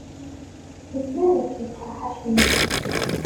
Yezmer ad k-iqerreḥ acemma.